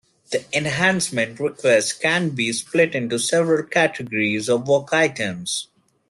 The enhancement request can be split into several categories of work items.